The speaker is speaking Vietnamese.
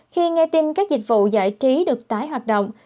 khi nghe tin các dịch vụ giải trí được tái hoạt động